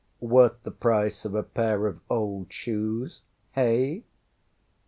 Worth the price of a pair of old shoes hey?